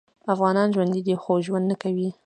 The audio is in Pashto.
افغانان ژوندي دي خو ژوند نکوي